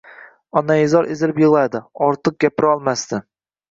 Onaizor ezilib yigʻlardi, ortiq gapirolmasdi.